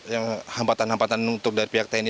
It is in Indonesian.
yang hambatan hambatan untuk dari pihak tni